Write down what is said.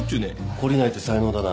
懲りないって才能だな。